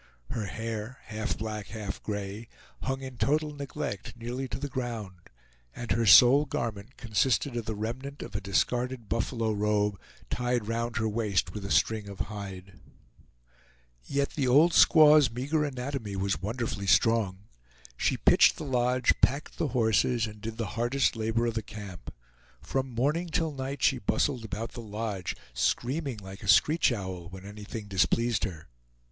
Her hair, half black, half gray, hung in total neglect nearly to the ground, and her sole garment consisted of the remnant of a discarded buffalo robe tied round her waist with a string of hide. Yet the old squaw's meager anatomy was wonderfully strong. She pitched the lodge, packed the horses, and did the hardest labor of the camp. From morning till night she bustled about the lodge, screaming like a screech owl when anything displeased her.